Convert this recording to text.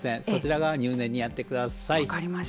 そちら側を入念にやってください。